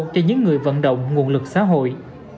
cho những người vận động nguồn lực xã hội